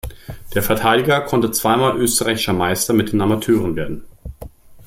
Der Verteidiger konnte zweimal österreichischer Meister mit den Amateuren werden.